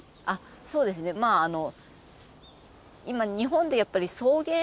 そうですねあの。